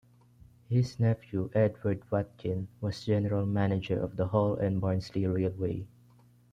His nephew Edward Watkin was general manager of the Hull and Barnsley Railway.